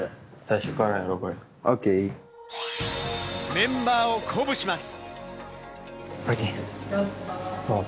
メンバーを鼓舞します。